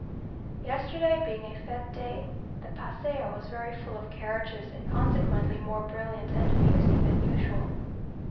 Yesterday being a fête day, the Paseo was very full of carriages, and consequently more brilliant and amusing than usual.